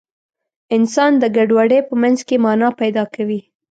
انسان د ګډوډۍ په منځ کې مانا پیدا کوي.